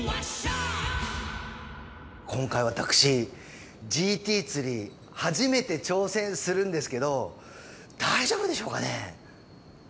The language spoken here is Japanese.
今回私ＧＴ釣り初めて挑戦するんですけど大丈夫でしょうかね？